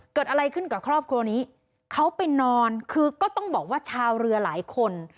เกิดอะไรขึ้นกับครอบครัวนี้เขาไปนอนคือก็ต้องบอกว่าชาวเรือหลายคน